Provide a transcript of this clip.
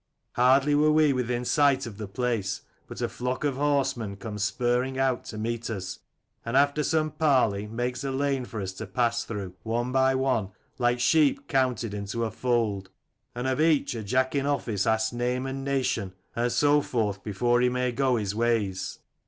Hardly were we within sight of the place, but a flock of horse men comes spurring out to meet us, and after some parley makes a lane for us to pass through, one by one, like sheep counted into a fold: and of each a jack in offtce asks name and nation and so forth before he may go his ways.